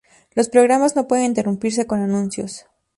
Los programas no pueden interrumpirse con anuncios.